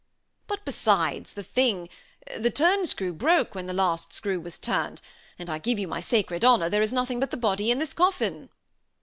"But, besides, the thing, the turnscrew, broke when the last screw was turned; and I give you my sacred honor there is nothing but the body in this coffin."